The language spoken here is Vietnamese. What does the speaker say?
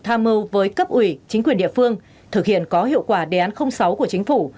tham mưu với cấp ủy chính quyền địa phương thực hiện có hiệu quả đề án sáu của chính phủ